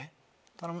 頼む！